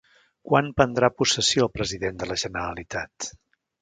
Quan prendrà possessió el president de la Generalitat?